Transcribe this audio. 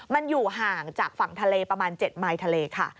มันอยู่ห่างจากฝั่งทะเลประมาณ๗ไมล์ทะเลค่ะ